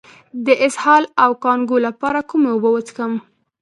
د اسهال او کانګو لپاره کومې اوبه وڅښم؟